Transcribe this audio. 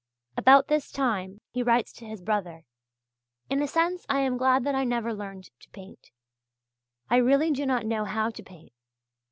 About this time he writes to his brother: "In a sense I am glad that I never learned to paint.... I really do not know how to paint.